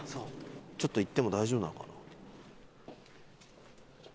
ちょっと行っても大丈夫なのかな？